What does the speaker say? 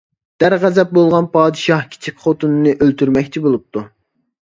دەر غەزەپ بولغان پادىشاھ كىچىك خوتۇنىنى ئۆلتۈرمەكچى بولۇپتۇ.